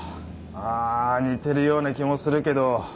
ああ似てるような気もするけど。